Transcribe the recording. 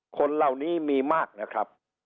คนเหล่านี้มีมากนะครับ